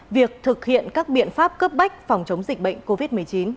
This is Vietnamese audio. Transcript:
việc thực hiện các biện pháp cấp bách phòng chống dịch bệnh covid một mươi chín